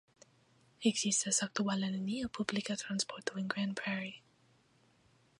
Ekzistas aktuale neniu publika transporto en Grand Prairie.